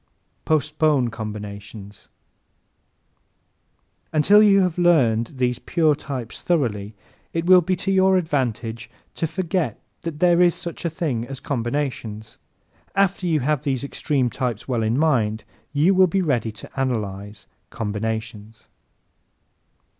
Postpone Combinations ¶ Until you have learned these pure types thoroughly it will be to your advantage to forget that there is such a thing as combinations. After you have these extreme types well in mind you will be ready to analyze combinations.